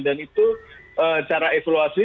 dan itu cara evaluasinya